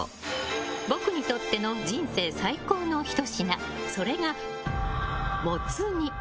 僕にとっての人生最高の一品それがモツ煮。